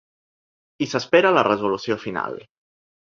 I s’espera la resolució final.